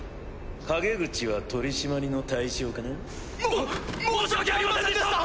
陰口は取締りの対象かな？も申し訳ありませんでした！